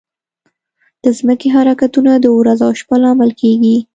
د ځمکې حرکتونه د ورځ او شپه لامل کېږي.